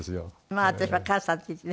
まあ私は「母さん」って言ってね